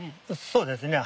そうですね。